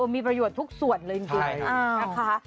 มีประโยชน์ทุกส่วนเลยจริงนะคะ